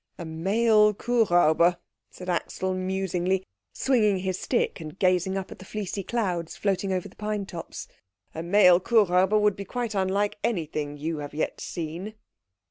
"A male Kuhräuber," said Axel musingly, swinging his stick and gazing up at the fleecy clouds floating over the pine tops, "a male Kuhräuber would be quite unlike anything you have yet seen."